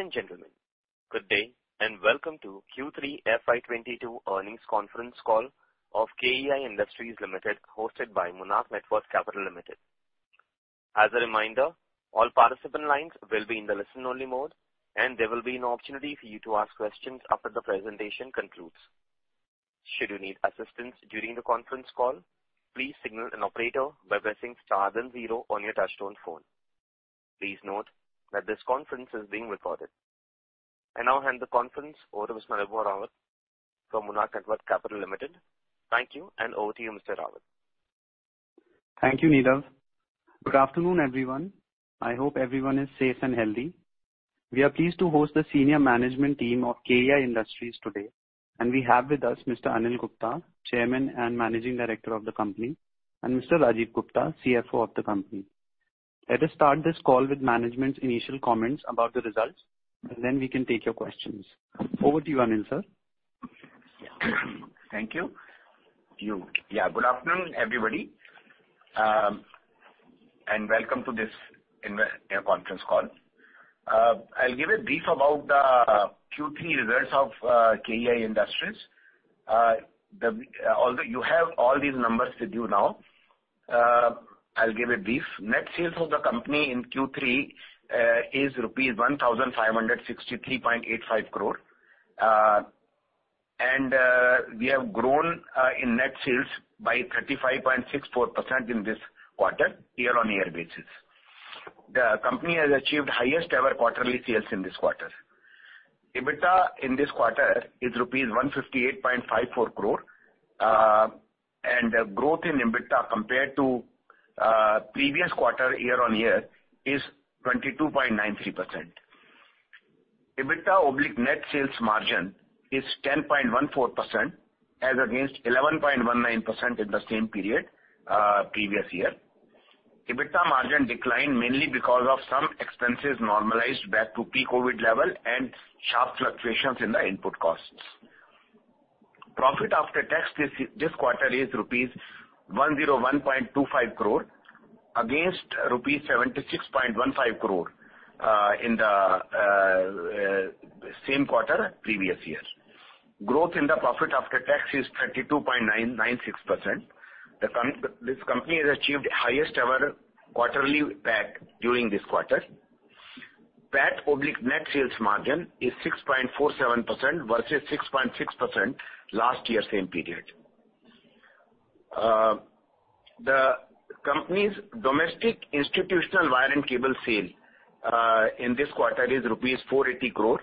Ladies and gentlemen, good day and welcome to Q3 FY 2022 earnings conference call of KEI Industries Limited, hosted by Monarch Networth Capital Limited. As a reminder, all participant lines will be in the listen-only mode, and there will be an opportunity for you to ask questions after the presentation concludes. Should you need assistance during the conference call, please signal an operator by pressing star then zero on your touchtone phone. Please note that this conference is being recorded. I now hand the conference over to Mr. Anubhav Rawat from Monarch Networth Capital Limited. Thank you, and over to you, Mr. Rawat. Thank you, Nirav. Good afternoon, everyone. I hope everyone is safe and healthy. We are pleased to host the senior management team of KEI Industries today, and we have with us Mr. Anil Gupta, Chairman and Managing Director of the company, and Mr. Rajeev Gupta, CFO of the company. Let us start this call with management's initial comments about the results, and then we can take your questions. Over to you, Anil, sir. Thank you. Yeah, good afternoon, everybody, and welcome to this conference call. I'll give a brief about the Q3 results of KEI Industries. You have all these numbers with you now. I'll give a brief. Net sales of the company in Q3 is rupees 1,563.85 crore. We have grown in net sales by 35.64% in this quarter year-on-year basis. The company has achieved highest ever quarterly sales in this quarter. EBITDA in this quarter is rupees 158.54 crore. The growth in EBITDA compared to previous quarter year-on-year is 22.93%. EBITDA/net sales margin is 10.14% as against 11.19% in the same period previous year. EBITDA margin declined mainly because of some expenses normalized back to pre-COVID level and sharp fluctuations in the input costs. Profit after tax this quarter is rupees 101.25 crore against rupees 76.15 crore in the same quarter previous year. Growth in the profit after tax is 32.96%. This company has achieved highest ever quarterly PAT during this quarter. PAT/net sales margin is 6.47% versus 6.6% last year same period. The company's domestic institutional wire and cable sale in this quarter is rupees 480 crore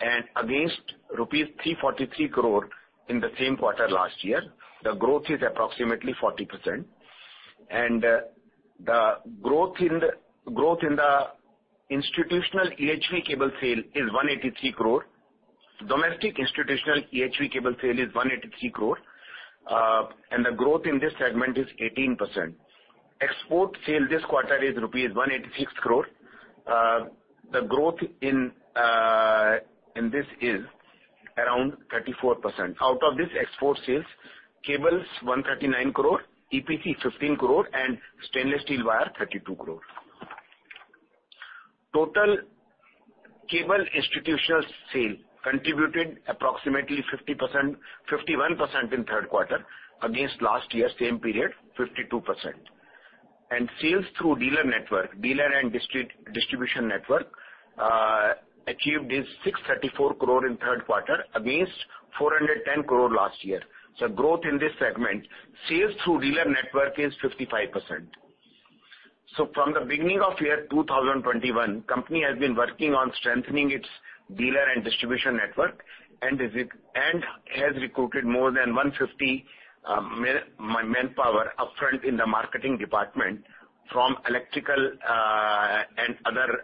and against rupees 343 crore in the same quarter last year, the growth is approximately 40%. The growth in the institutional EHV cable sale is 183 crore. Domestic institutional EHV cable sale is 183 crore. The growth in this segment is 18%. Export sale this quarter is rupees 186 crore. The growth in this is around 34%. Out of this export sales, cables 139 crore, EPC 15 crore and stainless steel wire 32 crore. Total cable institutional sale contributed approximately 50%, 51% in third quarter against last year same period, 52%. Sales through dealer network, dealer and district distribution network achieved 634 crore in third quarter against 410 crore last year. Growth in this segment, sales through dealer network is 55%. From the beginning of year 2021, company has been working on strengthening its dealer and distribution network and is it. Has recruited more than 150 manpower upfront in the marketing department from electrical and other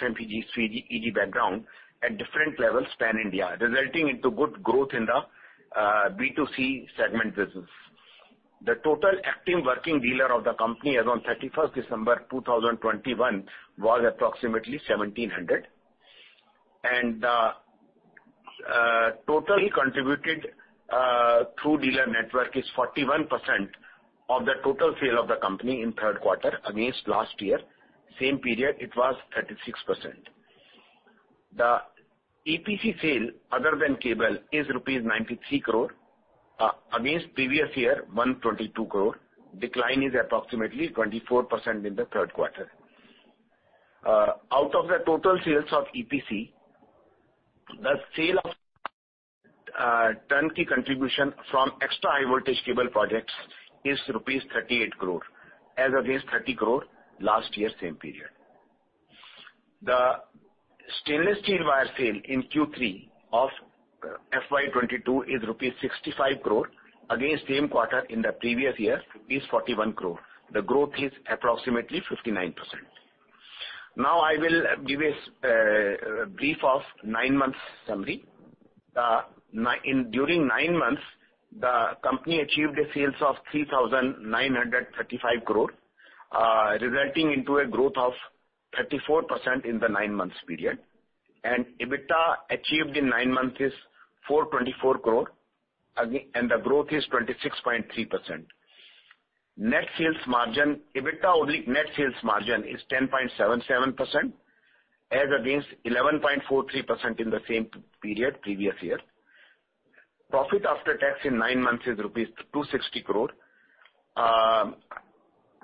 FMEG, CG, EG background at different levels pan India, resulting into good growth in the B2C segment business. The total active working dealer of the company as on 31 December 2021 was approximately 1,700. Total contribution through dealer network is 41% of the total sale of the company in third quarter against last year same period it was 36%. The EPC sale other than cable is rupees 93 crore against previous year 122 crore. Decline is approximately 24% in the third quarter. Out of the total sales of EPC, the sale of turnkey contribution from extra high voltage cable projects is rupees 38 crore as against 30 crore last year same period. The stainless steel wire sale in Q3 of FY 2022 is rupees 65 crore against same quarter in the previous year, 41 crore. The growth is approximately 59%. Now I will give a brief of nine months summary. During nine months, the company achieved a sales of 3,935 crore, resulting into a growth of 34% in the nine months period. EBITDA achieved in nine months is 424 crore and the growth is 26.3%. Net sales margin, EBITDA, only net sales margin is 10.77% as against 11.43% in the same period previous year. Profit after tax in nine months is rupees 260 crore,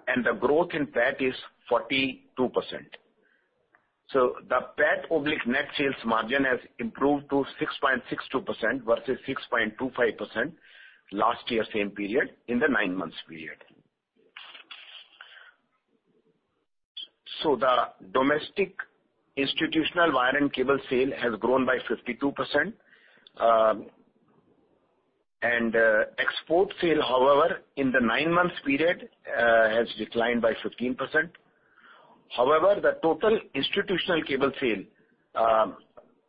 and the growth in PAT is 42%. The PAT/net sales margin has improved to 6.62% versus 6.25% last year same period in the nine months period. The domestic institutional wire and cable sale has grown by 52%, and export sale, however, in the nine months period has declined by 15%. However, the total institutional cable sale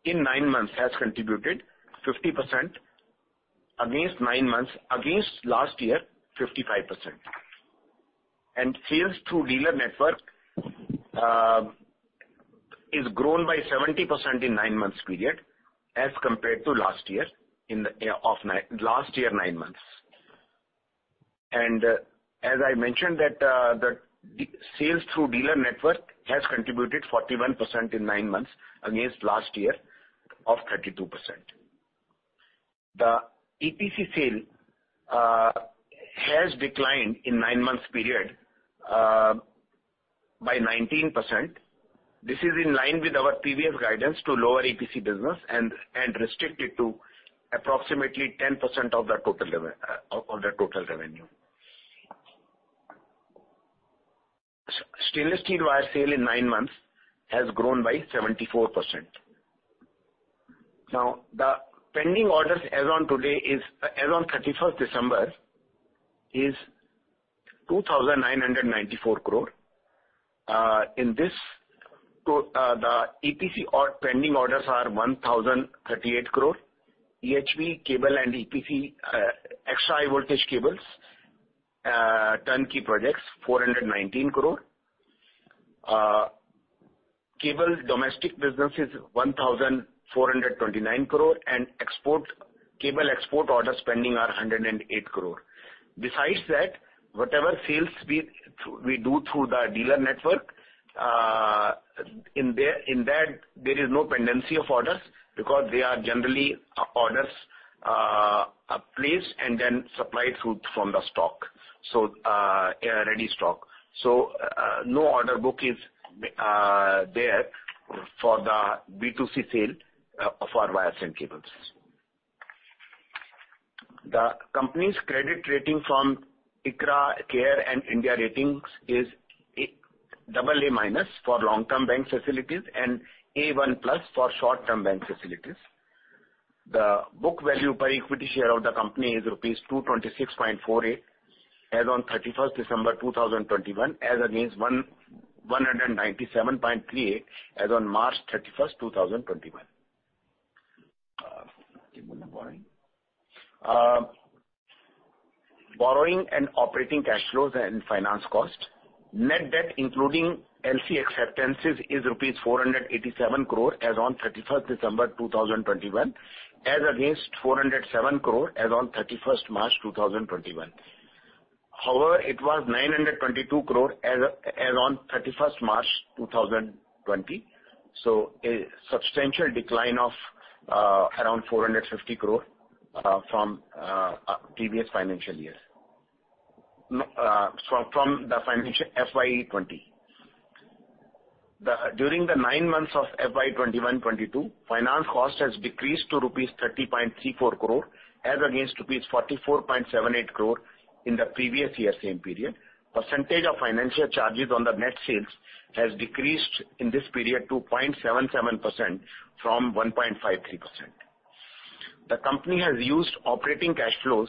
in nine months has contributed 50% against nine months against last year 55%. Sales through dealer network is grown by 70% in nine months period as compared to last year in the last year nine months. As I mentioned that the sales through dealer network has contributed 41% in nine months against last year of 32%. The EPC sale has declined in nine months period by 19%. This is in line with our previous guidance to lower EPC business and restrict it to approximately 10% of the total revenue. Stainless steel wire sale in nine months has grown by 74%. Now, the pending orders as on 31st December is 2,994 crore. In this, the EPC pending orders are 1,038 crore. EHV cable and EPC, extra high voltage cables, turnkey projects, 419 crore. Cable domestic business is 1,429 crore. Export cable orders pending are 108 crore. Besides that, whatever sales we do through the dealer network, in that there is no pendency of orders because they are generally orders placed and then supplied from the stock, a ready stock. No order book is there for the B2C sale for wires and cables. The company's credit rating from ICRA, CARE and India Ratings is AA- for long-term bank facilities and A1+ for short-term bank facilities. The book value per equity share of the company is 226.48 rupees as on 31st December 2021, as against 197.38 as on 31st March 2021. Give me one minute. Borrowing and operating cash flows and finance cost. Net debt, including LC acceptances, is rupees 487 crore as on 31st December 2021, as against 407 crore as on 31st March 2021. However, it was 922 crore as on 31st March 2020. A substantial decline of around 450 crore from the financial FY 2020. During the nine months of FY 2021-22, finance cost has decreased to 30.34 crore rupees as against 44.78 crore rupees in the previous year same period. Percentage of financial charges on the net sales has decreased in this period to 0.77% from 1.53%. The company has used operating cash flows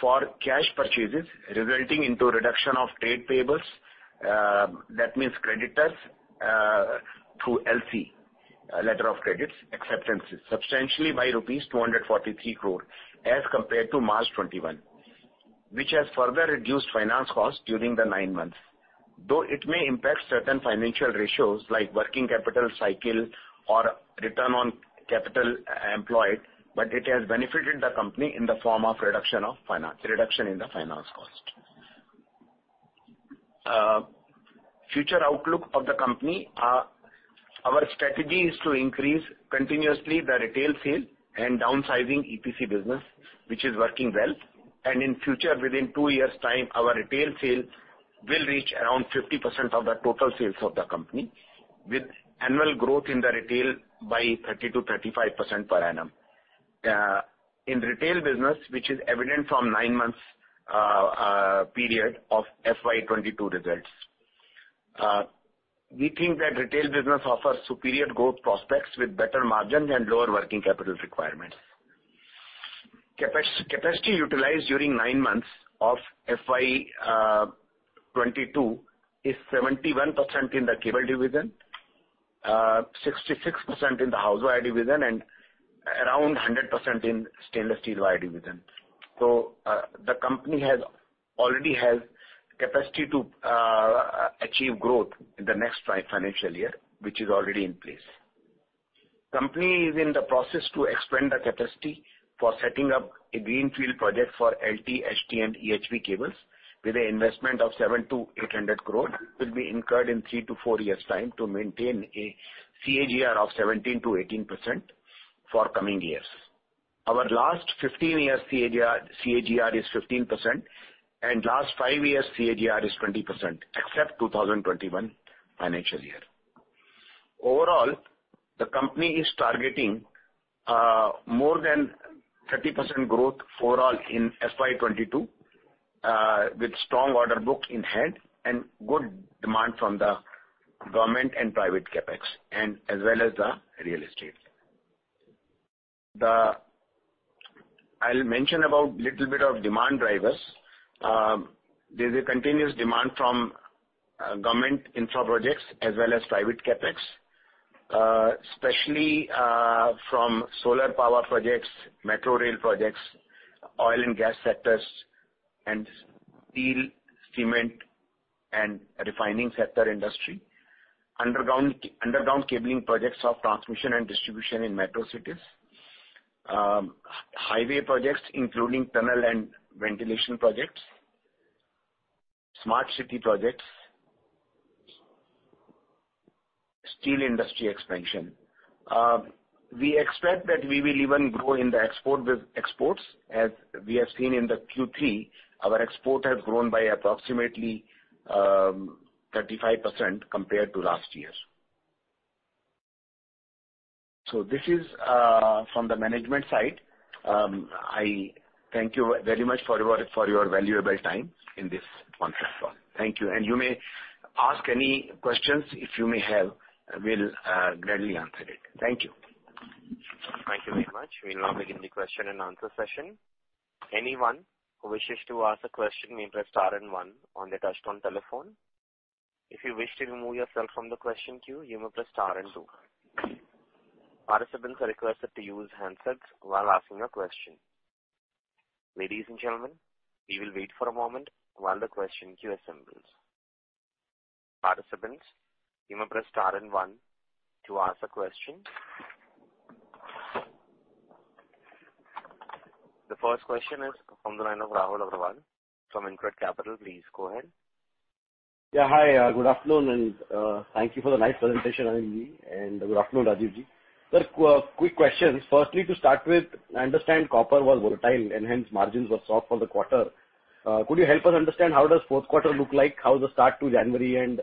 for cash purchases resulting into reduction of trade payables, that means creditors, through LC, letter of credit acceptances, substantially by rupees 243 crore as compared to March 2021, which has further reduced finance cost during the nine months. Though it may impact certain financial ratios like working capital cycle or return on capital employed, but it has benefited the company in the form of reduction in the finance cost. Future outlook of the company. Our strategy is to increase continuously the retail sale and downsizing EPC business, which is working well. In future, within two years' time, our retail sales will reach around 50% of the total sales of the company with annual growth in the retail by 30%-35% per annum in retail business, which is evident from nine months period of FY 2022 results. We think that retail business offers superior growth prospects with better margins and lower working capital requirements. Capacity utilized during nine months of FY 2022 is 71% in the cable division, 66% in the housewire division, and around 100% in stainless steel wire division. The company already has capacity to achieve growth in the next financial year, which is already in place. The company is in the process to expand the capacity for setting up a greenfield project for LT, HT, and EHV cables with an investment of 700-800 crore, which will be incurred in 3-4 years' time to maintain a CAGR of 17%-18% for coming years. Our last 15 years' CAGR is 15%, and last 5 years' CAGR is 20%, except 2021 financial year. Overall, the company is targeting more than 30% growth for all in FY 2022 with strong order book in hand and good demand from the government and private CapEx and as well as the real estate. I'll mention about little bit of demand drivers. There's a continuous demand from government infra projects as well as private CapEx, especially from solar power projects, metro rail projects, oil and gas sectors, and steel, cement, and refining sector industry, underground cabling projects of transmission and distribution in metro cities, highway projects, including tunnel and ventilation projects, smart city projects, steel industry expansion. We expect that we will even grow in the export with exports, as we have seen in the Q3. Our export has grown by approximately 35% compared to last year. This is from the management side. I thank you very much for your valuable time in this conference call. Thank you. You may ask any questions if you may have. We'll gladly answer it. Thank you. Thank you very much. We'll now begin the question and answer session. Anyone who wishes to ask a question may press star and one on their touchtone telephone. If you wish to remove yourself from the question queue, you may press star and two. Participants are requested to use handsets while asking a question. Ladies and gentlemen, we will wait for a moment while the question queue assembles. Participants, you may press star and one to ask a question. The first question is from the line of Rahul Agarwal from InCred Capital. Please go ahead. Hi, good afternoon, and thank you for the nice presentation, Anil ji. Good afternoon, Rajeev Ji. Sir, quick questions. Firstly, to start with, I understand copper was volatile and hence margins were soft for the quarter. Could you help us understand how does fourth quarter look like? How is the start to January and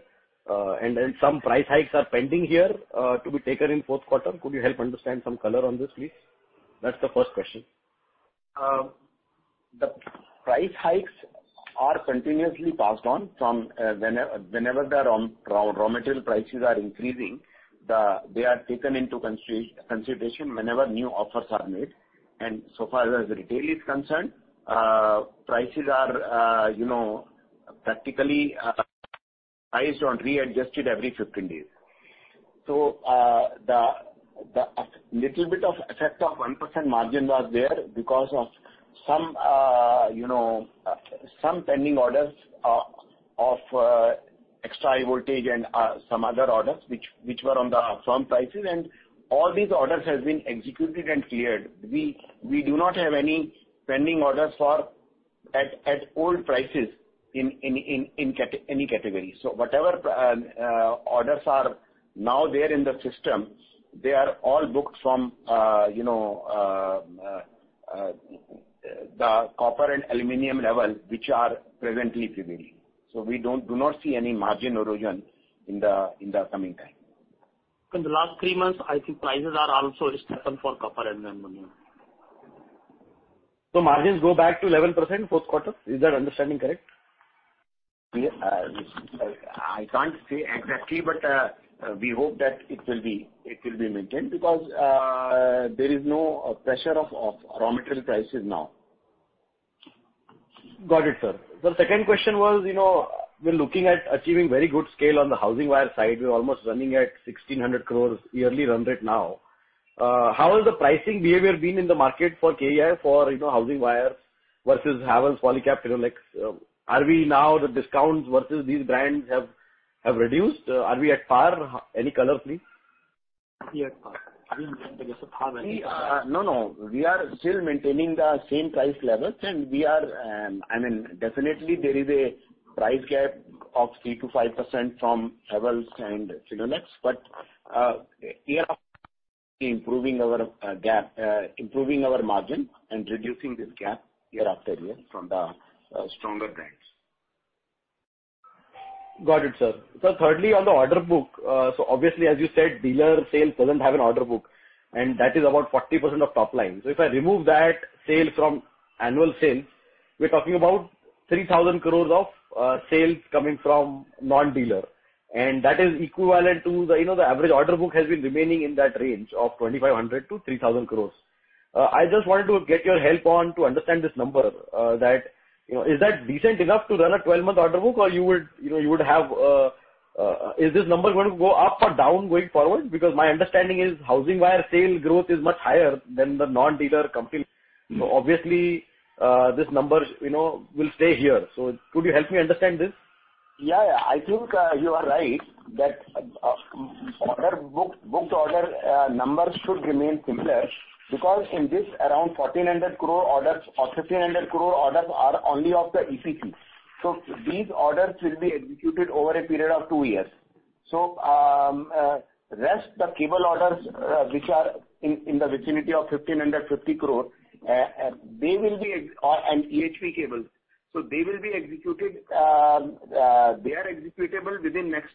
some price hikes are pending here to be taken in fourth quarter. Could you help understand some color on this, please? That's the first question. The price hikes are continuously passed on whenever the raw material prices are increasing, they are taken into consideration whenever new offers are made. So far as retail is concerned, prices are, you know, practically readjusted every 15 days. The little bit of effect of 1% margin was there because of some, you know, some pending orders of extra high voltage and some other orders which were on the firm prices and all these orders has been executed and cleared. We do not have any pending orders at old prices in any category. Whatever orders are now there in the system, they are all booked from, you know, the copper and aluminum level, which are presently prevailing. We do not see any margin erosion in the coming time. In the last three months, I think prices are also stable for copper and aluminum. Margins go back to 11% fourth quarter. Is that understanding correct? Yeah. I can't say exactly, but we hope that it will be maintained because there is no pressure of raw material prices now. Got it, sir. The second question was, you know, we're looking at achieving very good scale on the housing wire side. We're almost running at 1,600 crore yearly run rate now. How has the pricing behavior been in the market for KEI for, you know, housing wire versus Havells, Polycab, Finolex? Are the discounts now versus these brands have reduced? Are we at par? Any color, please? We are at par. I mean I guess at par maybe. We are still maintaining the same price levels, and definitely there is a price gap of 3%-5% from Havells and Finolex. Year after year, improving our margin and reducing this gap year after year from the stronger brands. Got it, sir. Thirdly, on the order book, obviously as you said, dealer sales doesn't have an order book, and that is about 40% of top line. If I remove that sale from annual sales, we're talking about 3,000 crores of sales coming from non-dealer. And that is equivalent to the, you know, the average order book has been remaining in that range of 2,500-3,000 crores. I just wanted to get your help on to understand this number. That, you know, is that decent enough to run a 12-month order book or is this number going to go up or down going forward? Because my understanding is housing wire sale growth is much higher than the non-dealer company. Obviously, this number, you know, will stay here. Could you help me understand this? Yeah, I think you are right that order book numbers should remain similar because in this around 1,400 crore orders or 1,500 crore orders are only of the EPC. These orders will be executed over a period of two years. The rest the cable orders, which are in the vicinity of 1,550 crore, they will be export and EHV cables. They will be executed, they are executable within next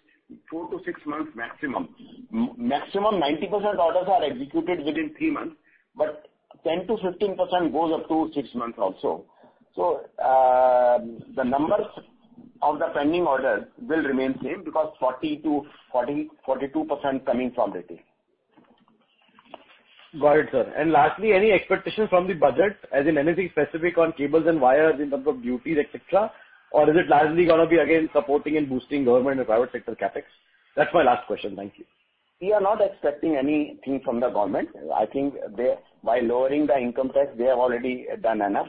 4-6 months maximum. Maximum 90% orders are executed within three months, but 10%-15% goes up to six months also. The numbers of the pending orders will remain same because 40%-42% coming from retail. Got it, sir. Lastly, any expectation from the budget, as in anything specific on cables and wires in terms of duties, et cetera? Or is it largely gonna be again supporting and boosting government and private sector CapEx? That's my last question. Thank you. We are not expecting anything from the government. I think they, by lowering the income tax, they have already done enough.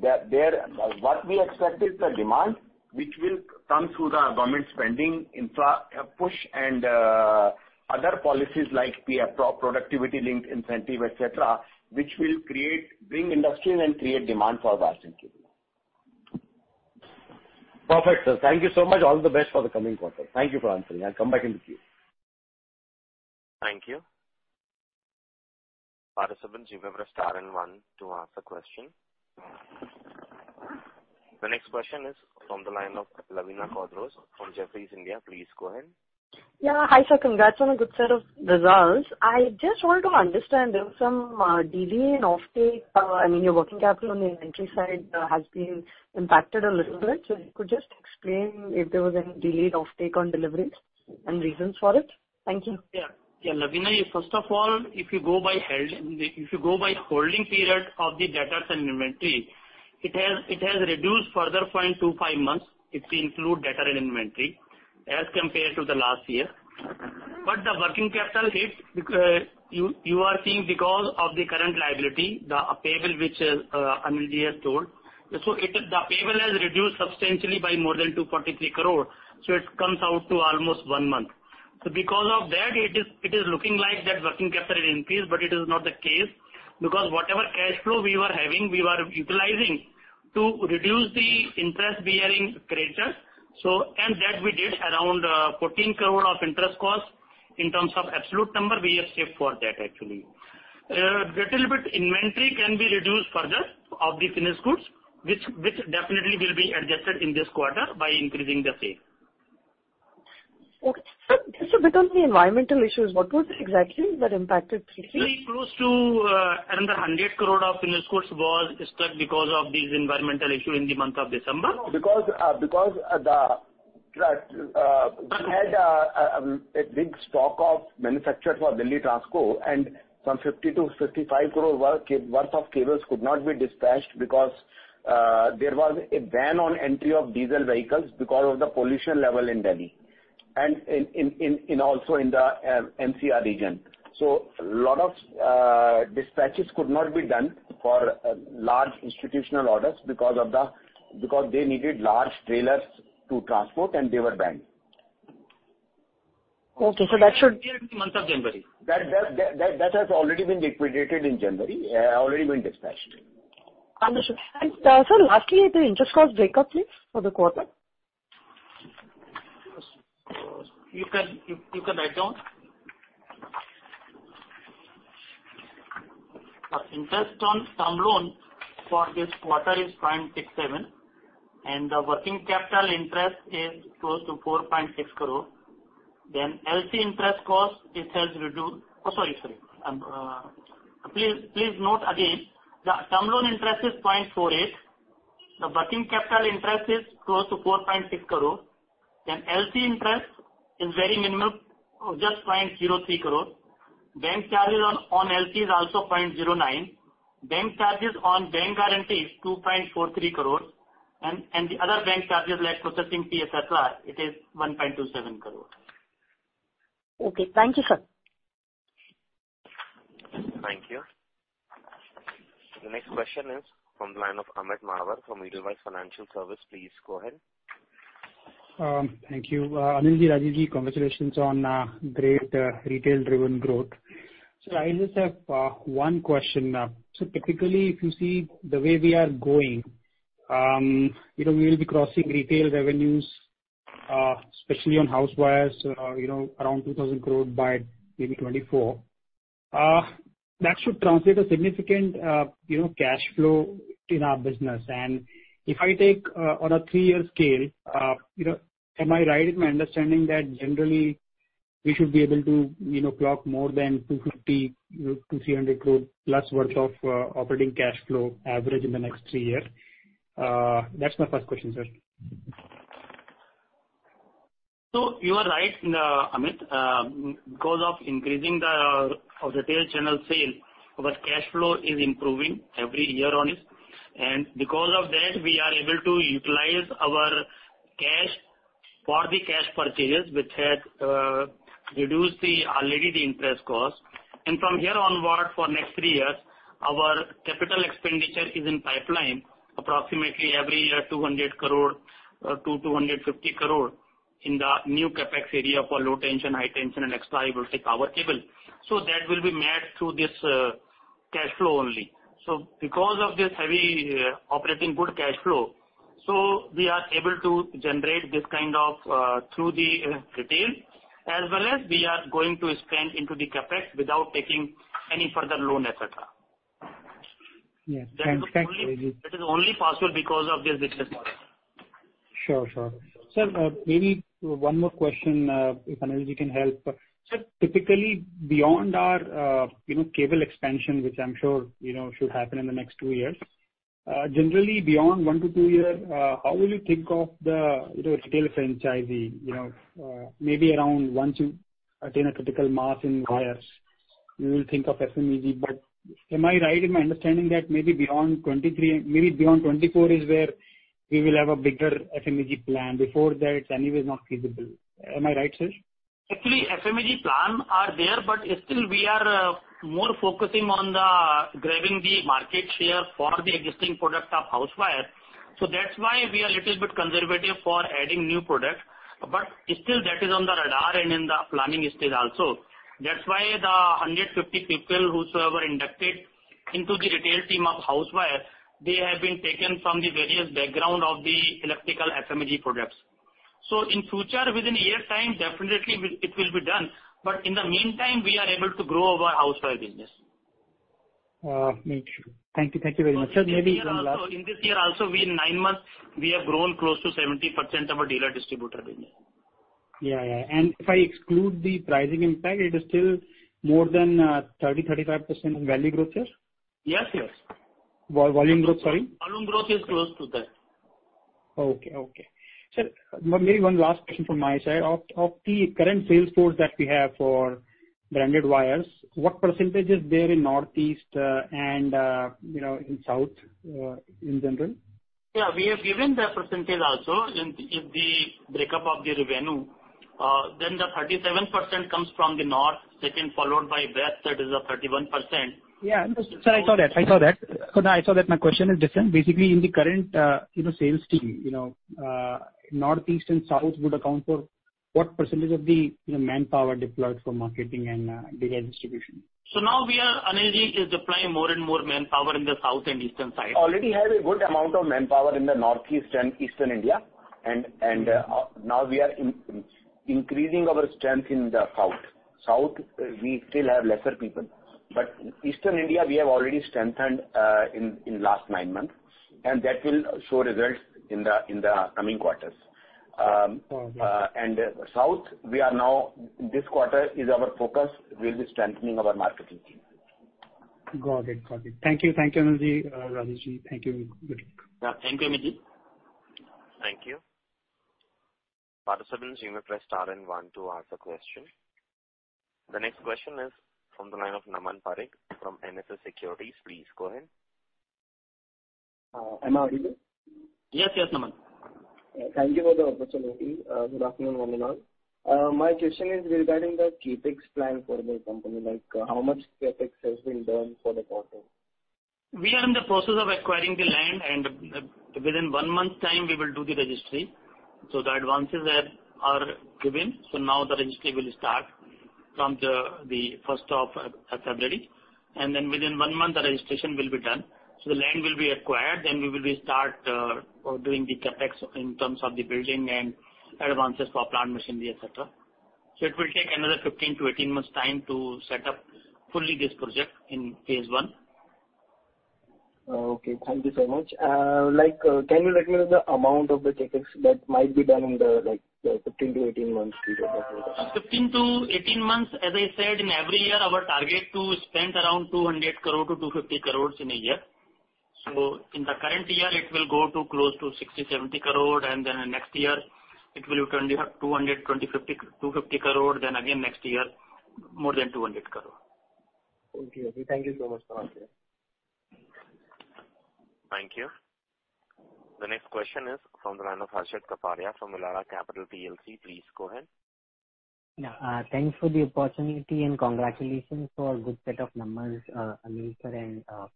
What we expect is the demand which will come through the government spending, infra push and other policies like PLI, production linked incentive, et cetera, which will create, bring industry and create demand for Vasant Cable. Perfect, sir. Thank you so much. All the best for the coming quarter. Thank you for answering. I'll come back in the queue. Thank you. Participants, you may press star and one to ask a question. The next question is from the line of Lavina Quadros from Jefferies India. Please go ahead. Yeah. Hi, sir. Congrats on a good set of results. I just wanted to understand, there was some delay in offtake. I mean, your working capital on the inventory side has been impacted a little bit. If you could just explain if there was any delayed offtake on deliveries and reasons for it. Thank you. Yeah. Yeah, Lavina, first of all, if you go by holding period of the debtors and inventory, it has reduced further 0.25 months if we include debtor and inventory as compared to the last year. The working capital hit because you are seeing because of the current liability, the payable which Anil ji has told. The payable has reduced substantially by more than 243 crore, so it comes out to almost one month. Because of that, it is looking like that working capital increase, but it is not the case because whatever cash flow we were having, we are utilizing to reduce the interest bearing creditors. And that we did around 14 crore of interest costs in terms of absolute number we have saved for that actually. Little bit inventory can be reduced further of the finished goods which definitely will be adjusted in this quarter by increasing the sale. Okay. Sir, just a bit on the environmental issues. What was exactly that impacted? Close to, around 100 crore of finished goods was stuck because of these environmental issue in the month of December. No, because we had a big stock manufactured for Delhi Transco, and some 50 crore-55 crore worth of cables could not be dispatched because there was a ban on entry of diesel vehicles because of the pollution level in Delhi and also in the NCR region. A lot of dispatches could not be done for large institutional orders because they needed large trailers to transport, and they were banned. Okay. That should. That cleared in the month of January. That has already been liquidated in January, already been dispatched. Understood. Sir, lastly, the interest cost breakup, please, for the quarter. You can write down. Interest on term loan for this quarter is 0.67 crore, and the working capital interest is close to 4.6 crore. LC interest cost, it has reduced. Oh, sorry. Please note again, the term loan interest is 0.48 crore. The working capital interest is close to 4.6 crore. LC interest is very minimal, just 0.03 crore. Bank charges on LC is also 0.09 crore. Bank charges on bank guarantee is 2.43 crores. The other bank charges like processing fees, et cetera, it is 1.27 crore. Okay. Thank you, sir. Thank you. The next question is from the line of Amit Mahawar from Edelweiss Financial Services. Please go ahead. Thank you. Anil ji, Rajeev ji, congratulations on great retail driven growth. I just have one question. Typically, if you see the way we are going, you know, we will be crossing retail revenues, especially on house wires, you know, around 2,000 crore by maybe 2024. That should translate to a significant, you know, cash flow in our business. If I take on a three-year scale, you know, am I right in my understanding that generally we should be able to, you know, clock more than 250 crore-300 crore plus worth of operating cash flow average in the next three years? That's my first question, sir. You are right in the, Amit, because of increasing the of the retail channel sale, our cash flow is improving every year on it. Because of that, we are able to utilize our cash for the cash purchases which had reduced the already the interest cost. From here onward for next three years. Our capital expenditure is in pipeline approximately every year, 200 crore-250 crore in the new CapEx area for low tension, high tension and extra high voltage power cable. That will be met through this cash flow only. Because of this heavy operating good cash flow, we are able to generate this kind of through the retail, as well as we are going to spend into the CapEx without taking any further loan, et cetera. Yes, thanks. Thank you. That is only possible because of this business model. Sure, sure. Sir, maybe one more question, if Anil ji can help. Sir, typically beyond our, you know, cable expansion, which I'm sure, you know, should happen in the next two years. Generally beyond one to two year, how will you think of the, you know, retail franchisee? You know, maybe around once you attain a critical mass in wires, you will think of SMEG. But am I right in my understanding that maybe beyond 2023, maybe beyond 2024 is where we will have a bigger SMEG plan. Before that, it's anyway not feasible. Am I right, sir? Actually, FMEG plans are there, but still we are more focusing on grabbing the market share for the existing product of house wires. That's why we are little bit conservative for adding new product. Still that is on the radar and in the planning stage also. That's why the 150 people who were inducted into the retail team of house wires, they have been taken from the various background of the electrical FMEG products. In future, within a year's time, definitely it will be done, but in the meantime, we are able to grow our house wire business. Make sure. Thank you. Thank you very much. Sir, maybe one last In this year also, in nine months, we have grown close to 70% of our dealer distributor business. Yeah, yeah. If I exclude the pricing impact, it is still more than 35% value growth, sir? Yes, yes. Volume growth, sorry. Volume growth is close to that. Okay, okay. Sir, maybe one last question from my side. Of the current sales force that we have for branded wires, what percentage is there in Northeast, and you know, in South, in general? Yeah, we have given the percentage also in the breakup of the revenue. Then the 37% comes from the North, second followed by West, that is a 31%. Yeah. Sir, I saw that. My question is different. Basically, in the current, you know, sales team, you know, Northeast and South would account for what percentage of the, you know, manpower deployed for marketing and dealer distribution? Anil ji is deploying more and more manpower in the South and eastern side. We already have a good amount of manpower in the Northeast and Eastern India. Now we are increasing our strength in the South. South, we still have lesser people. Eastern India, we have already strengthened in last nine months, and that will show results in the coming quarters. Okay. South, we are now, this quarter is our focus. We'll be strengthening our marketing team. Got it. Thank you, Anil ji. Rajeev ji, thank you. Good luck. Yeah. Thank you, Amit ji. Thank you. Participants, you may press star and one to ask a question. The next question is from the line of Naman Parekh from NSS Securities. Please go ahead. Am I audible? Yes, yes, Naman. Thank you for the opportunity. Good afternoon, everyone. My question is regarding the CapEx plan for the company, like how much CapEx has been done for the quarter? We are in the process of acquiring the land, and within one month time we will do the registry. The advances are given. Now the registry will start from the first of February, and then within one month the registration will be done. The land will be acquired, then we will restart doing the CapEx in terms of the building and advances for plant machinery, et cetera. It will take another 15-18 months' time to set up fully this project in phase one. Okay, thank you so much. Like, can you let me know the amount of the CapEx that might be done in the, like, the 15-18 months period of the project? 15-18 months, as I said, in every year our target to spend around 200 crore-250 crore in a year. In the current year it will go to close to 60-70 crore and then next year it will turn to 200-250 crore, then again next year more than 200 crore. Okay. Thank you so much. Namaste. Thank you. The next question is from the line of Harshit Kapadia from Elara Capital. Please go ahead. Thanks for the opportunity and congratulations for good set of numbers, Anil sir.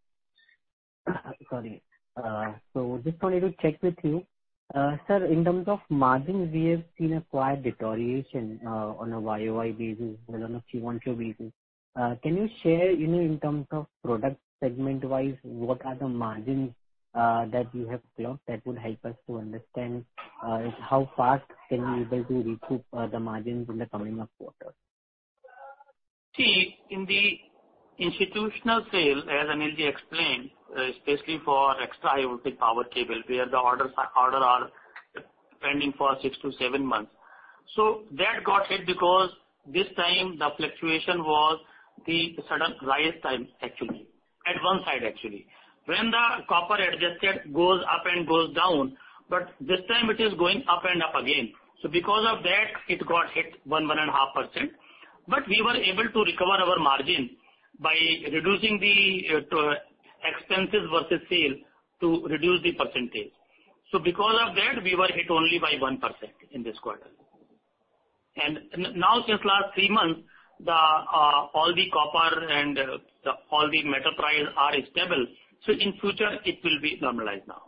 Just wanted to check with you. Sir, in terms of margin, we have seen quite a deterioration on a YOY basis, well on a QOQ basis. Can you share, you know, in terms of product segment-wise, what are the margins that you have clocked that would help us to understand how fast can you be able to recoup the margins in the upcoming quarters? See, in the institutional sale, as Anil ji explained, especially for extra high voltage power cable, where the orders are pending for 6-7 months. That got hit because this time the fluctuation was the sudden rise time actually, at one side actually. When the copper adjusted goes up and goes down, but this time it is going up and up again. Because of that, it got hit 1.5%. We were able to recover our margin by reducing the expenses versus sales to reduce the percentage. Because of that, we were hit only by 1% in this quarter. Now since last three months, all the copper and all the metal prices are stable. In future it will be normalized now.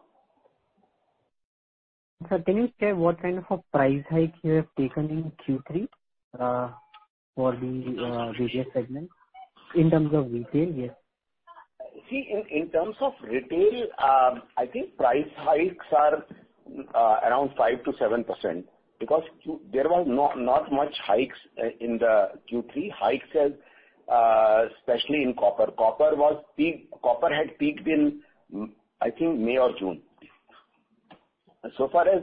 Sir, can you say what kind of a price hike you have taken in Q3 for the various segments in terms of retail? Yes. See, in terms of retail, I think price hikes are around 5%-7% because in Q3 there was not much hikes, especially in copper. Copper had peaked in—I think May or June. So far as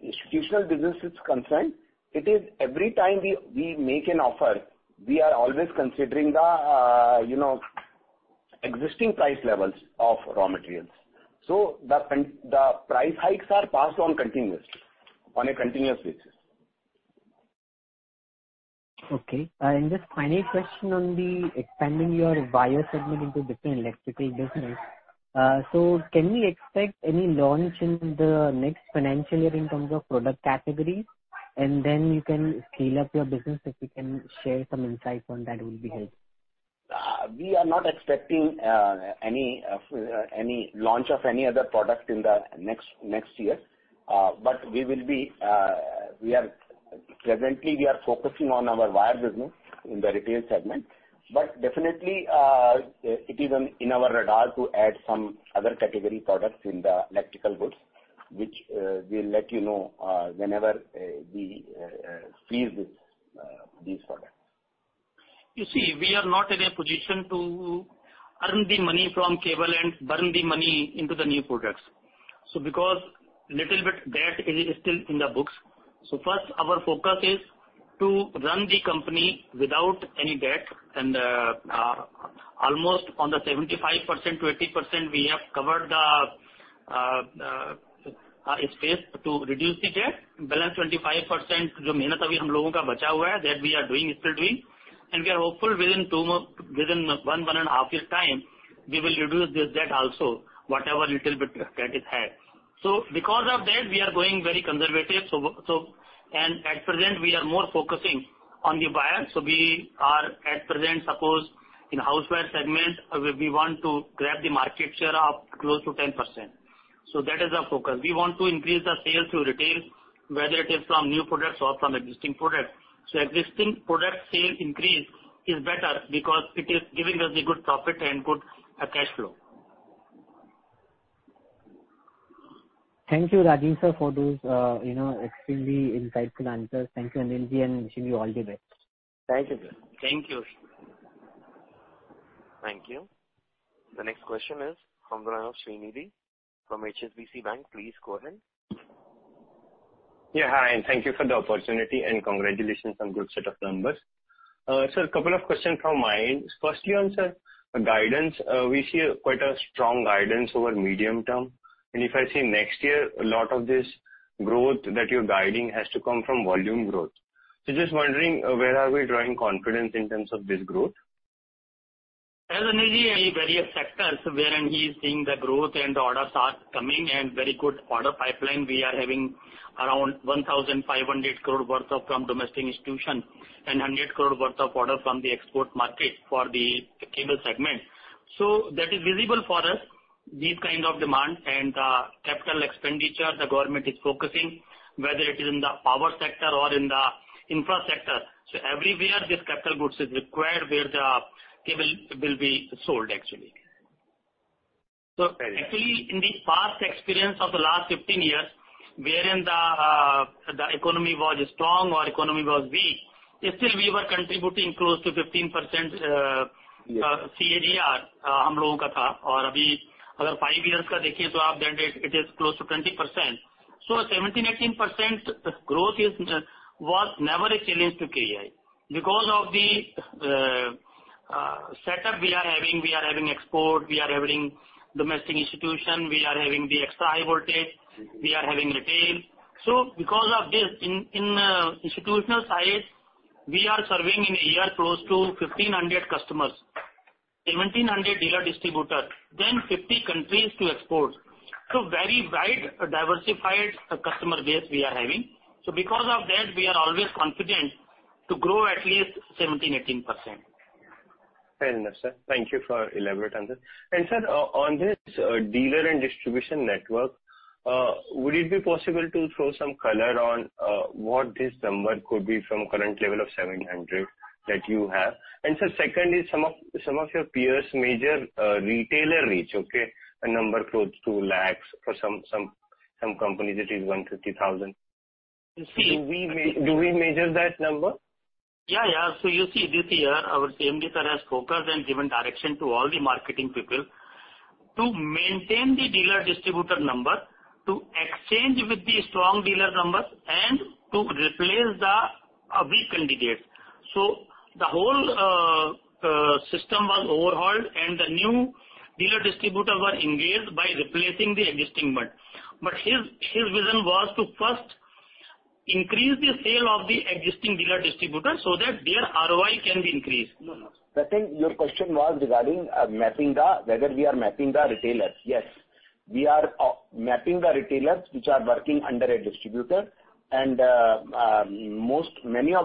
institutional business is concerned, it is every time we make an offer, we are always considering the, you know, existing price levels of raw materials. So the price hikes are passed on a continuous basis. Okay. Just final question on the expanding your wire segment into different electrical business. Can we expect any launch in the next financial year in terms of product category? Then you can scale up your business. If you can share some insight on that will be helpful. We are not expecting any launch of any other product in the next year. We are presently focusing on our wire business in the retail segment. Definitely, it is on our radar to add some other category products in the electrical goods which we'll let you know whenever we freeze these products. You see, we are not in a position to earn the money from cable and burn the money into the new products. Because a little bit debt is still in the books. First our focus is to run the company without any debt and almost on the 75%, 20% we have covered the space to reduce the debt. Balance 25% that we are still doing, and we are hopeful within one and a half years' time we will reduce this debt also, whatever little bit debt is had. Because of that, we are going very conservative. At present we are more focusing on the wires. We are at present, suppose in house wires segment, we want to grab the market share of close to 10%. That is our focus. We want to increase the sales through retail, whether it is from new products or from existing products. Existing product sale increase is better because it is giving us the good profit and good cash flow. Thank you, Rajeev sir, for those extremely insightful answers. Thank you, Anil ji, and wishing you all the best. Thank you, sir. Thank you. Thank you. The next question is from the line of Srinidhi from HSBC Bank. Please go ahead. Yeah, hi, and thank you for the opportunity, and congratulations on good set of numbers. Couple of questions from my end. Firstly on, sir, guidance. We see quite a strong guidance over medium term. If I see next year, a lot of this growth that you're guiding has to come from volume growth. Just wondering, where are we drawing confidence in terms of this growth? As Anil ji, in various sectors wherein he is seeing the growth and the orders are coming and very good order pipeline. We are having around 1,500 crore worth of orders from domestic institutions and 100 crore worth of orders from the export market for the cable segment. That is visible for us, these kind of demands and capital expenditure the government is focusing, whether it is in the power sector or in the infra sector. Everywhere this capital goods is required, where the cable will be sold actually. Very good. Actually, in the past experience of the last 15 years, wherein the economy was strong or economy was weak, still we were contributing close to 15% CAGR. It is close to 20%. Seventeen, 18% growth was never a challenge to KEI. Because of the setup we are having, we are having export, we are having domestic institutional, we are having the extra high voltage, we are having retail. Because of this, in institutional side, we are serving in a year close to 1,500 customers, 1,700 dealer distributor, then 50 countries to export. Very wide diversified customer base we are having. Because of that, we are always confident to grow at least 17, 18%. Fair enough, sir. Thank you for elaborate answer. Sir, on this dealer and distribution network, would it be possible to throw some color on what this number could be from current level of 700 that you have? Sir, second is some of your peers major retailer reach, okay? A number close to lakhs. For some companies it is 150,000. You see- Do we measure that number? Yeah, yeah. You see, this year our CMD, sir, has focused and given direction to all the marketing people to maintain the dealer distributor number, to engage with the strong dealer numbers, and to replace the weak candidates. The whole system was overhauled and the new dealer distributor were engaged by replacing the existing one. His vision was to first increase the sale of the existing dealer distributor so that their ROI can be increased. I think your question was regarding whether we are mapping the retailers. Yes. We are mapping the retailers which are working under a distributor. Many of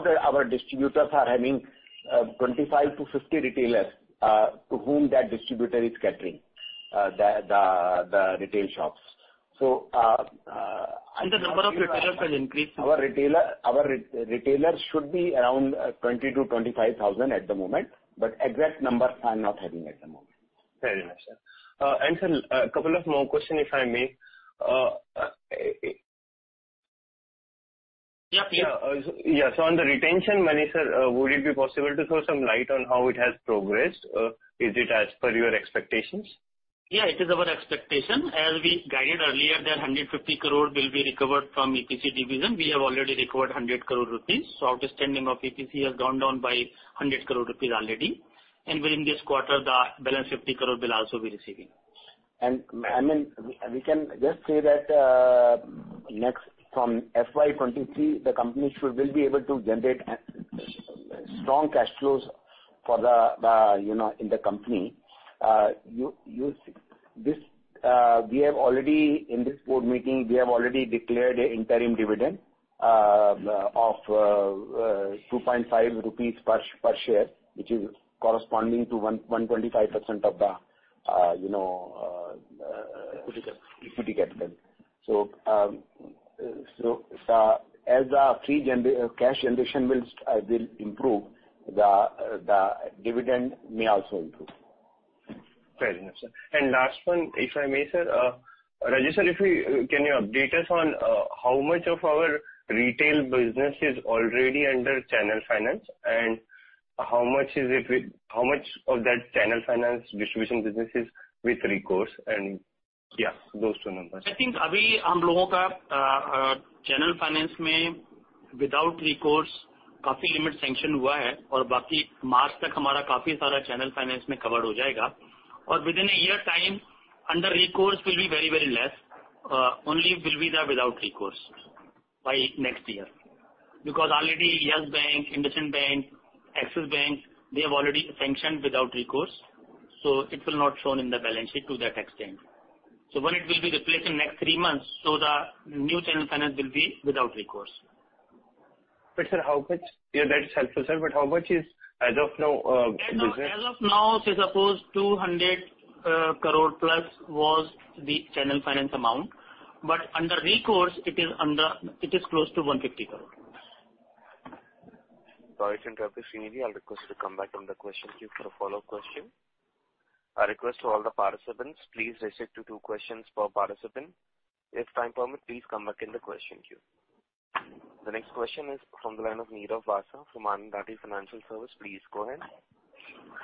our distributors are having 25-50 retailers to whom that distributor is catering to the retail shops. The number of retailers are increasing. Our retailer, our re-retailers should be around 20-25 thousand at the moment, but exact numbers I'm not having at the moment. Very nice, sir. Sir, a couple of more questions, if I may. Yeah, please. On the retention money, sir, would it be possible to throw some light on how it has progressed? Is it as per your expectations? Yeah, it is our expectation. As we guided earlier that 150 crore will be recovered from EPC division. We have already recovered 100 crore rupees. Outstanding of EPC has gone down by 100 crore rupees already. Within this quarter, the balance 50 crore will also be receiving. I mean, we can just say that, next from FY 2023, the company should, will be able to generate, strong cash flows for the, in the company. This, we have already in this board meeting, we have already declared a interim dividend, of, 2.5 rupees per share, which is corresponding to 125% of the, you know, Equity capital. Equity capital. As the free cash generation will improve, the dividend may also improve. Very nice, sir. Last one, if I may, sir. Rajeev sir, can you update us on how much of our retail business is already under channel finance and how much of that channel finance distribution business is with recourse and those two numbers? I think.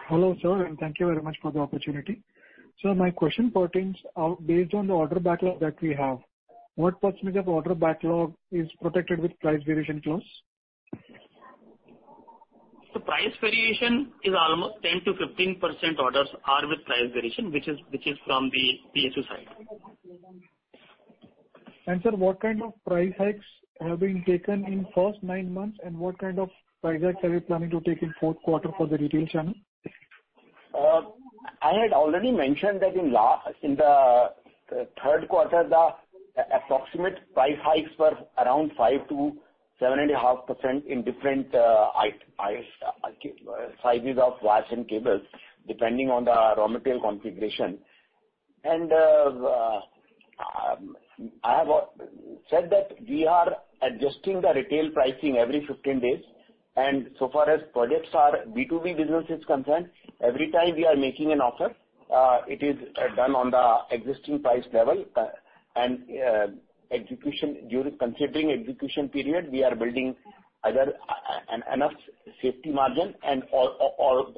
Hello, sir, and thank you very much for the opportunity. Sir, my question pertains, based on the order backlog that we have, what percentage of order backlog is protected with price variation clause? The price variation is almost 10%-15%. Orders are with price variation, which is from the PSU side. Sir, what kind of price hikes have been taken in first nine months and what kind of price hikes are you planning to take in fourth quarter for the retail channel? I had already mentioned that in the third quarter, the approximate price hikes were around 5%-7.5% in different sizes of wires and cables, depending on the raw material configuration. I have said that we are adjusting the retail pricing every 15 days. So far as projects and B2B business is concerned, every time we are making an offer, it is done on the existing price level. During the execution period, we are building either enough safety margin or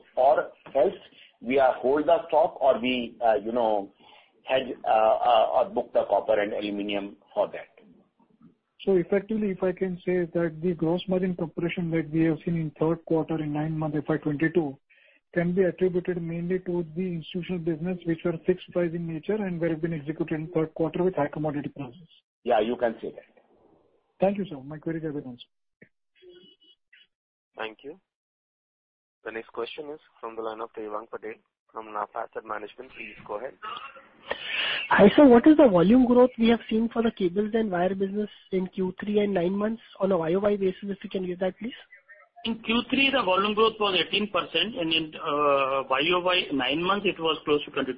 else we hold the stock or we, you know, hedge or book the copper and aluminum for that. Effectively, if I can say that the gross margin compression that we have seen in the third quarter and in nine months FY 2022 can be attributed mainly to the institutional business which are fixed-price in nature and have been executed in the third quarter with higher commodity prices. Yeah, you can say that. Thank you, sir. My query is over, sir. Thank you. The next question is from the line of Devang Patel from NAFA Asset Management. Please go ahead. Hi, sir. What is the volume growth we have seen for the cables and wire business in Q3 and nine months on a YOY basis, if you can give that, please? In Q3, the volume growth was 18% and in YOY nine months it was close to 22%.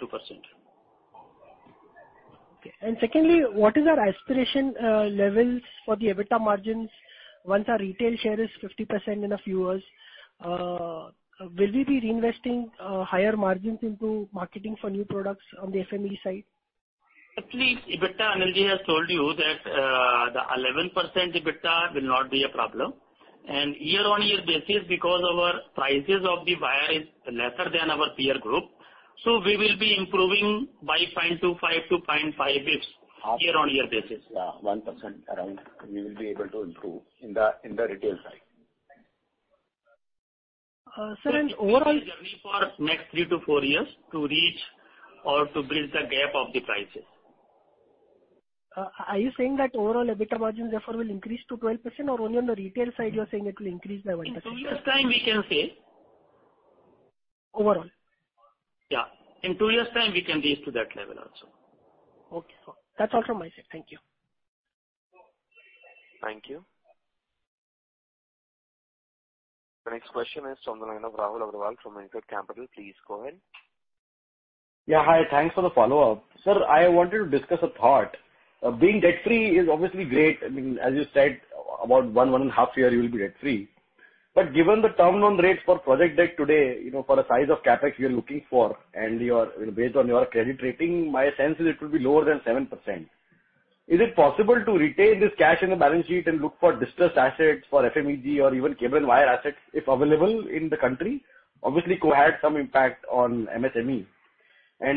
Okay. Secondly, what is our aspiration levels for the EBITDA margins once our retail share is 50% in a few years? Will we be reinvesting higher margins into marketing for new products on the FMEG side? Actually, EBITDA, Anil Gupta, has told you that the 11% EBITDA will not be a problem. Year-on-year basis because our prices of the wire is lesser than our peer group, so we will be improving by 0.25-0.5 basis points year-on-year basis. Yeah, 1% around we will be able to improve in the retail side. Sir and overall. Journey for next 3-4 years to reach or to bridge the gap of the prices. Are you saying that overall EBITDA margins therefore will increase to 12% or only on the retail side you are saying it will increase by 1%? Overall. Yeah. In two years' time, we can reach to that level also. Okay, sir. That's all from my side. Thank you. Thank you. The next question is from the line of Rahul Agarwal from InCred Capital. Please go ahead. Yeah, hi. Thanks for the follow-up. Sir, I wanted to discuss a thought. Being debt-free is obviously great. I mean, as you said, about one and half year you will be debt-free. Given the term loan rates for project debt today, you know, for the size of CapEx you're looking for and your, based on your credit rating, my sense is it will be lower than 7%. Is it possible to retain this cash in the balance sheet and look for distressed assets for FMEG or even cable and wire assets, if available in the country? Obviously, COVID had some impact on MSME.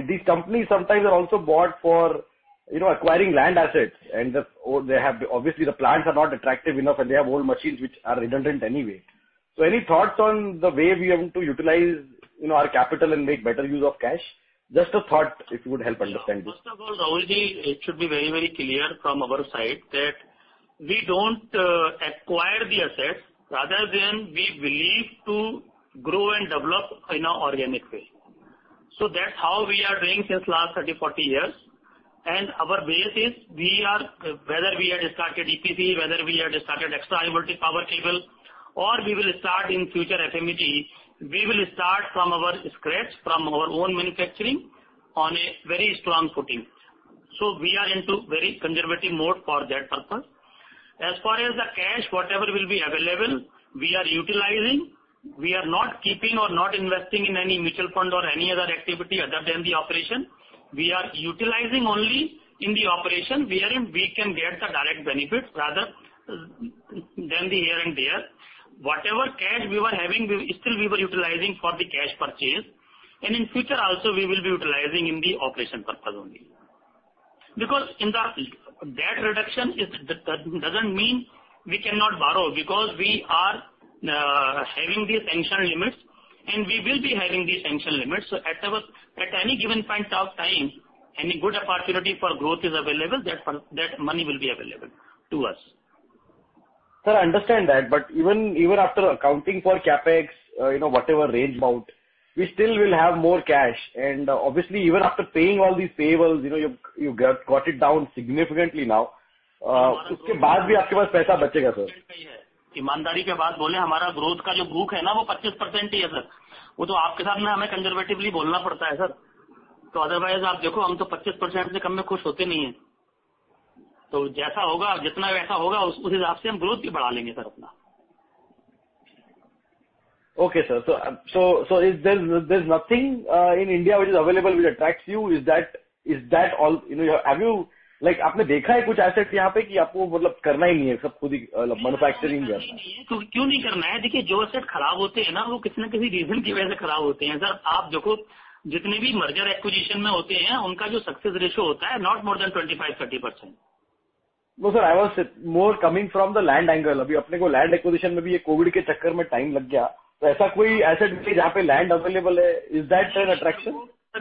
These companies sometimes are also bought for, you know, acquiring land assets, or they have, obviously, the plants are not attractive enough and they have old machines which are redundant anyway. Any thoughts on the way we are going to utilize, you know, our capital and make better use of cash? Just a thought, if you would help understand this. Sure. First of all, Rahul Agarwal, it should be very, very clear from our side that we don't acquire the assets rather, we believe to grow and develop in an organic way. That's how we are doing since last 30, 40 years. Our base is we are whether we had started EPC, whether we had started extra high multi power cable, or we will start in future FMEG, we will start from scratch, from our own manufacturing on a very strong footing. We are into very conservative mode for that purpose. As far as the cash, whatever will be available, we are utilizing. We are not keeping or not investing in any mutual fund or any other activity other than the operation. We are utilizing only in the operation wherein we can get the direct benefits rather than the here and there. Whatever cash we were having, we still were utilizing for the cash purchase, and in future also we will be utilizing in the operation purpose only. Because in the debt reduction is, doesn't mean we cannot borrow because we are having these sanction limits and we will be having these sanction limits. At our, at any given point of time, any good opportunity for growth is available, that money will be available to us. Sir, I understand that, but even after accounting for CapEx, you know, whatever range amount, we still will have more cash. Obviously, even after paying all these payables, you know, you've got it down significantly now. Okay, sir. Is there nothing in India which is available which attracts you? Is that all? No, sir. I was more coming from the land angle. Is that, sir, an attraction? No,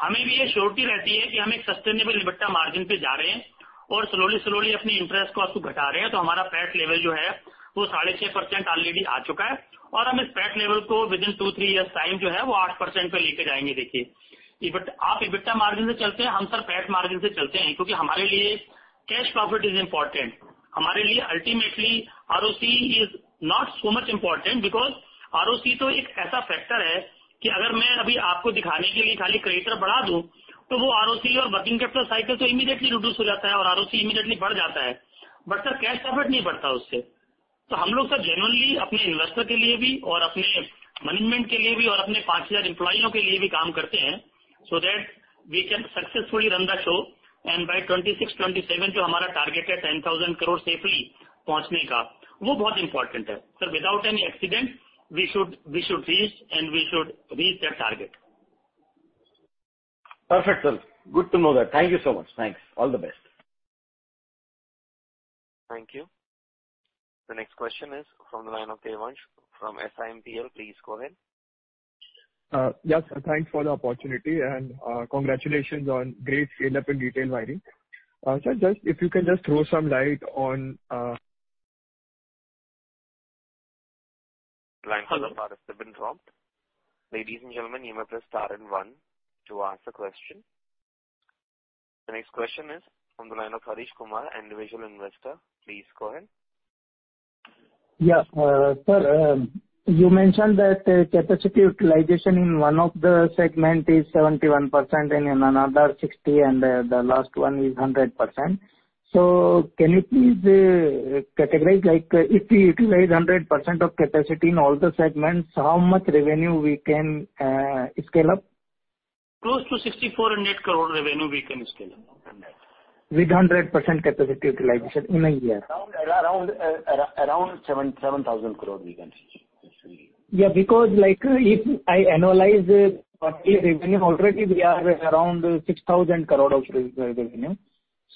sir. I was more coming from the land angle. Is that, sir, an attraction?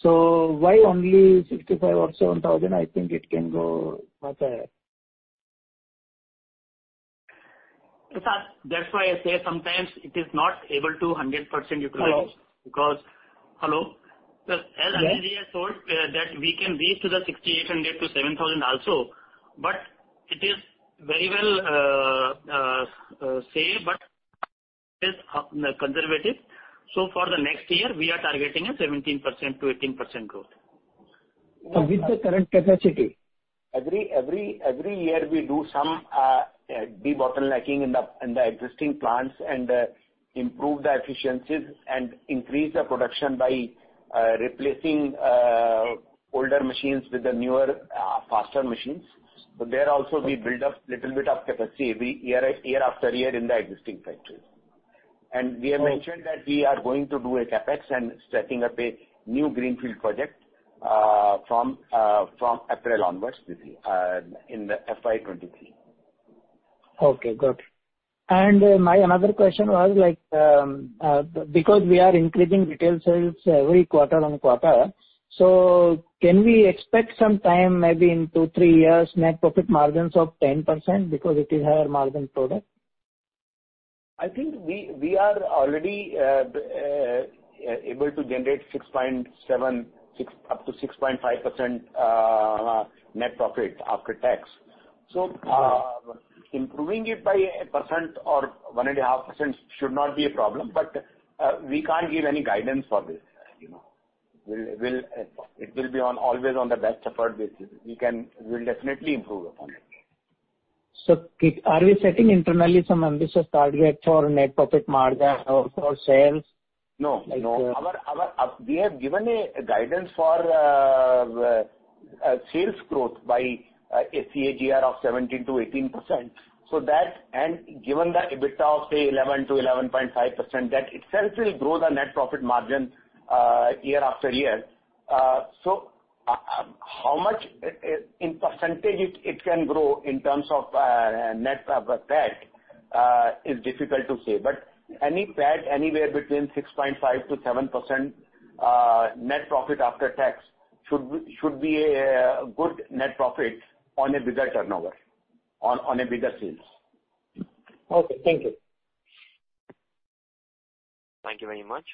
Why only 65 or 7,000? I think it can go much higher. That's why I say sometimes it is not able to 100% utilize. Hello. Hello. Yes. As I really have told, that we can reach to the 6,800-7,000 also, but it is very well, safe, but it's conservative. For the next year we are targeting a 17%-18% growth. With the current capacity. Every year we do some de-bottlenecking in the existing plants and improve the efficiencies and increase the production by replacing older machines with the newer faster machines. There also we build up a little bit of capacity year after year in the existing factories. We have mentioned that we are going to do a CapEx and setting up a new greenfield project from April onwards this year in FY 2023. Okay, got it. My another question was like, because we are increasing retail sales every quarter-on-quarter, so can we expect some time maybe in 2-3 years net profit margins of 10% because it is higher margin product? I think we are already able to generate up to 6.5% net profit after tax. Improving it by 1% or 1.5% should not be a problem, but we can't give any guidance for this, you know. It will be always on the best effort basis. We'll definitely improve upon it. Are we setting internally some ambitious targets for net profit margin or for sales? No. We have given a guidance for sales growth by a CAGR of 17%-18%. That, and given the EBITDA of say 11%-11.5%, that itself will grow the net profit margin year after year. How much in percentage it can grow in terms of net PAT is difficult to say, but any PAT anywhere between 6.5%-7%, net profit after tax should be a good net profit on a bigger turnover, on a bigger sales. Okay. Thank you. Thank you very much.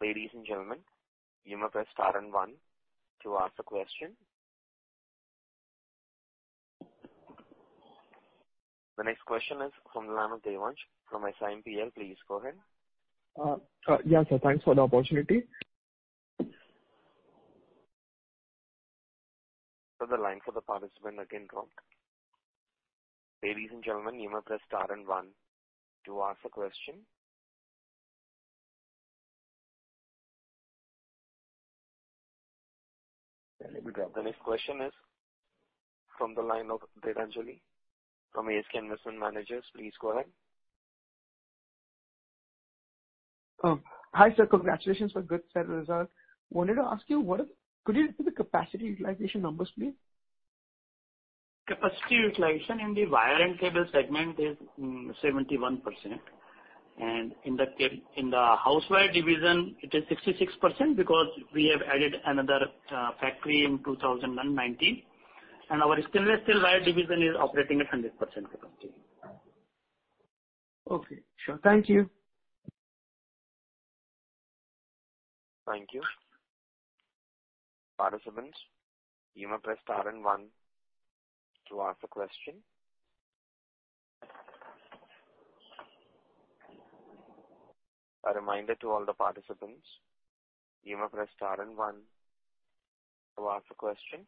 Ladies and gentlemen, you may press star and one to ask a question. The next question is from the line of Devansh from SIMPL. Please go ahead. Yeah, sir. Thanks for the opportunity. The line for the participant again dropped. Ladies and gentlemen, you may press star and one to ask a question. The next question is from the line of Dhananjai from SK Investment Managers. Please go ahead. Hi, sir. Congratulations for good set of results. Could you repeat the capacity utilization numbers, please? Capacity utilization in the wire and cable segment is 71%. In the house wire division it is 66% because we have added another factory in 2019. Our stainless steel wire division is operating at 100% capacity. Okay, sure. Thank you. Thank you. Participants, you may press star and one to ask a question. A reminder to all the participants, you may press star and one to ask a question.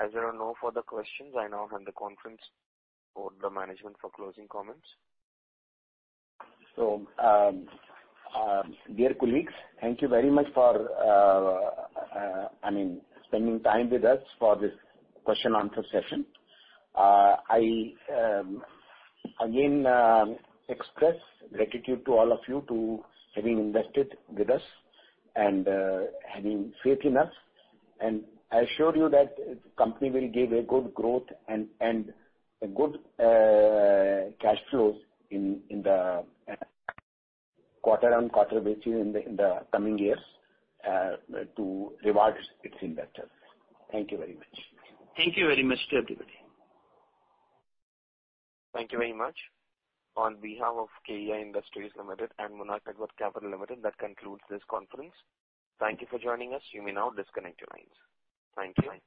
As there are no further questions, I now hand the conference over to management for closing comments. Dear colleagues, thank you very much for, I mean, spending time with us for this question answer session. I again express gratitude to all of you to having invested with us and having faith in us. I assure you that company will give a good growth and a good cash flows in the quarter on quarter basis in the coming years to reward its investors. Thank you very much. Thank you very much to everybody. Thank you very much. On behalf of KEI Industries Limited and Monarch Networth Capital Limited, that concludes this conference. Thank you for joining us. You may now disconnect your lines. Thank you.